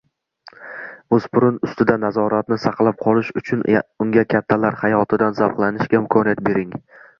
O‘spirin ustidan nazoratni saqlab qolish uchun unga kattalar hayotidan zavqlanishga imkoniyat bering.